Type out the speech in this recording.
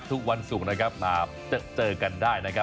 ทุกวันศุกร์มาเจอกันได้